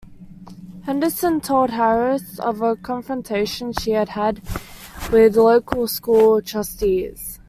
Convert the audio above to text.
Henderson told Harris of a confrontation she had had with local school trustees.